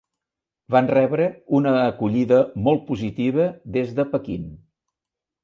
Van rebre una acollida molt positiva des de Pequín.